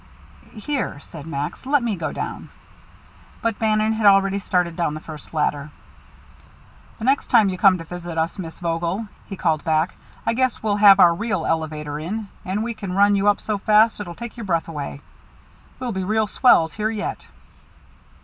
"Here," said Max, "let me go down." But Bannon had already started down the first ladder. "The next time you come to visit us, Miss Vogel," he called back, "I guess we'll have our real elevator in, and we can run you up so fast it'll take your breath away. We'll be real swells here yet."